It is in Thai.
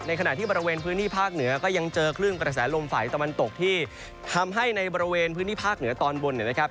ขณะที่บริเวณพื้นที่ภาคเหนือก็ยังเจอคลื่นกระแสลมฝ่ายตะวันตกที่ทำให้ในบริเวณพื้นที่ภาคเหนือตอนบนเนี่ยนะครับ